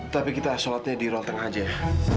tapi kita sholatnya di ruwal tengah aja ya